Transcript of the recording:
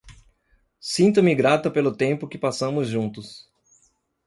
Sinto-me grata pelo tempo que passamos juntos.